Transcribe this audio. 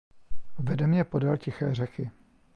Vede mě podél tiché řeky.